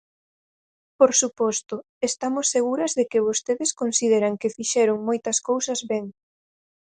Por suposto, estamos seguras de que vostedes consideran que fixeron moitas cousas ben.